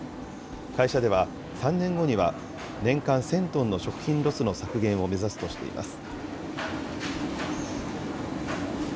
会社では、３年後には、年間１０００トンの食品ロスの削減を目指すとしています。